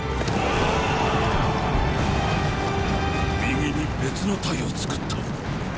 右に別の隊を作った。